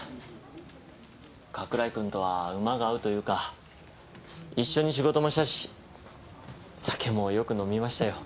加倉井君とはウマが合うというか一緒に仕事もしたし酒もよく飲みましたよ。